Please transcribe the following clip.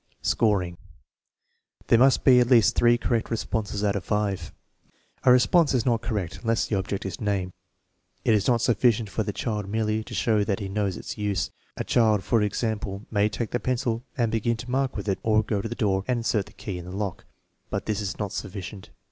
Scoring. There must be at least three correct responses out of five. A response is not correct unless the object is named. It is not sufficient for the child merely to show that he knows its use. A child, for example, may take the pencil and begin to mark with it, or go to the door and insert the key in the lock; but this is not sufficient.